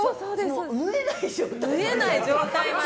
縫えない状態まで。